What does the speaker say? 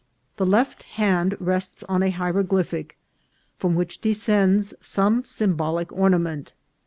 The left hand rests on a hiero glyphic, from which descends some symbolical orna ment.